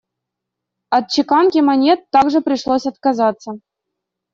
От чеканки монет также пришлось отказаться.